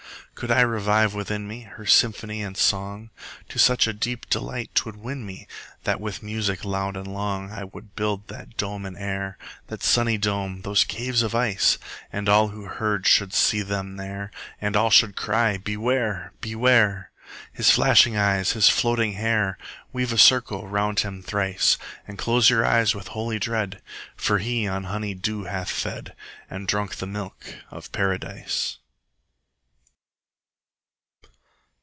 Could I revive within me, Her symphony and song, To such a deep delight 'twould win me, That with music loud and long, 45 I would build that dome in air, That sunny dome! those caves of ice! And all who heard should see them there, And all should cry, Beware! Beware! His flashing eyes, his floating hair! 50 Weave a circle round him thrice, And close your eyes with holy dread, For he on honey dew hath fed, And drunk the milk of Paradise.